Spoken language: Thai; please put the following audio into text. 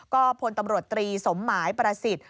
ก็พลตำรวจตรีสมหมายประสิทธิ์